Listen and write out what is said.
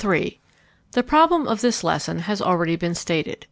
_ The problem of this lesson has already been stated.